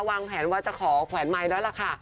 วางแผนว่าจะขอแขวนไมค์แล้วล่ะค่ะ